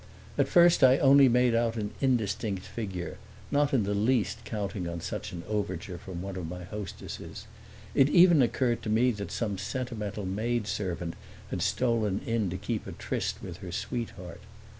At first I only made out an indistinct figure, not in the least counting on such an overture from one of my hostesses; it even occurred to me that some sentimental maidservant had stolen in to keep a tryst with her sweetheart.